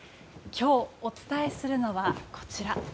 今日、お伝えするのはこちら。